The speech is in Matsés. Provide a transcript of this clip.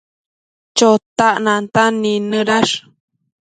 Chotac nantan nidnëdash